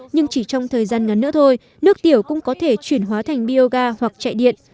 nhưng chỉ trong thời gian ngắn nữa thôi nước tiểu cũng có thể chuyển hóa thành bioga hoặc chạy điện